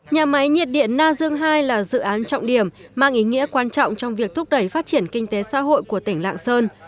nhà máy nhiệt điện na dương ii là dự án trọng điểm mang ý nghĩa quan trọng trong việc thúc đẩy phát triển kinh tế xã hội của tỉnh lạng sơn